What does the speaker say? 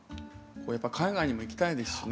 海外にも行きたいですしね。